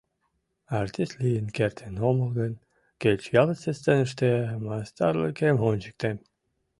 Артист лийын кертын омыл гын, кеч ялысе сценыште мастарлыкем ончыктем.